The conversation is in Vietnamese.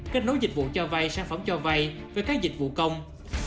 kết nối dịch vụ cho bay sản phẩm cho bay với các dịch vụ công